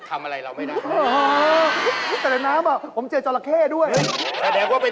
คำบังเฟิร์นเขาบอกหนีจอละเข้ป่าเสือ